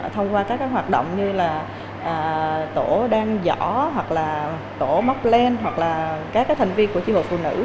thông qua các hoạt động như là tổ đan giỏ hoặc là tổ móc len hoặc là các thành viên của chi hội phụ nữ